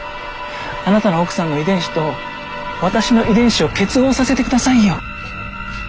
あなたの奥さんの遺伝子と私の遺伝子を結合させてくださいよ。